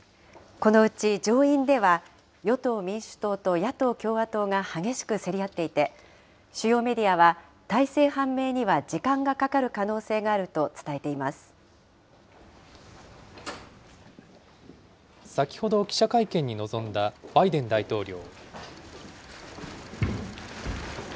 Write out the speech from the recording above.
このうち上院では、与党・民主党と野党・共和党が激しく競り合っていて、主要メディアは、大勢判明には時間がかかる可能性が先ほど、記者会見に臨んだバイデン大統領。